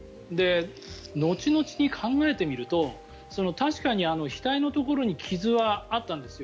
後々に考えてみると確かに、額のところに傷はあったんですよ。